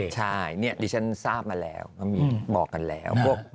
ใช่นี่ดิฉันทราบมาแล้วก็มีบอกกันแล้ว